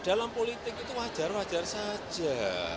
dalam politik itu wajar wajar saja